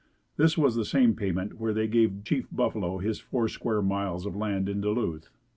This was the same payment where they gave Chief Buffalo his four square miles of land in Duluth.